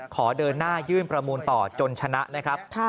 ขอเดินหน้ายื่นประมูลต่อจนชนะนะครับ